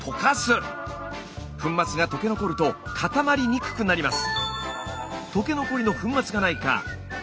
粉末が溶け残ると固まりにくくなります。